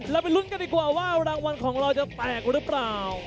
ไปลุ้นกันดีกว่าว่ารางวัลของเราจะแตกหรือเปล่า